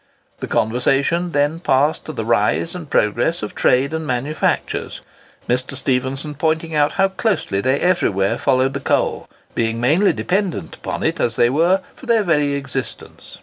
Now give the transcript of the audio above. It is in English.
The conversation then passed to the rise and progress of trade and manufactures,—Mr. Stephenson pointing out how closely they everywhere followed the coal, being mainly dependent upon it, as it were, for their very existence.